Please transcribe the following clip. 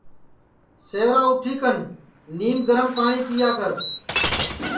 سیوا اُٹھی کن نیم گرم پاٹؔی پیا کر